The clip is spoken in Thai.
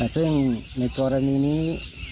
ซึ่งในกรณีนี้